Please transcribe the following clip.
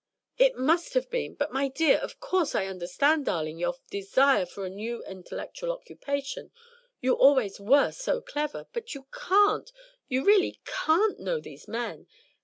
"It must have been! But, my dear of course I understand, darling, your desire for a new intellectual occupation; you always were so clever but you can't, you really can't know these men.